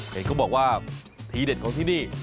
เห็นเขาบอกว่าทีเด็ดของที่นี่